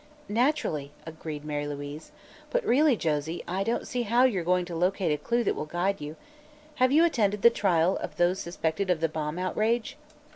"Naturally," agreed Mary Louise. "But, really, Josie, I don't see how you're going to locate a clue that will guide you. Have you attended the trial of those suspected of the bomb outrage?"